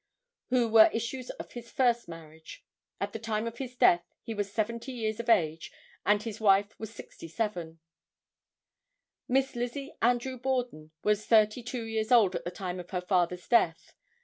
who were issues of his first marriage. At the time of his death he was seventy years of age and his wife was sixty seven. [Illustration: MRS. ABBIE D. BORDEN.] Miss Lizzie Andrew Borden was thirty two years old at the time of her father's death.